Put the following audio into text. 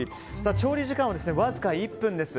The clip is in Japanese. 調理時間はわずか１分です。